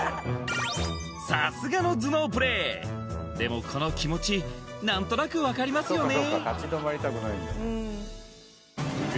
さすがの頭脳プレーでもこの気持ち何となく分かりますよね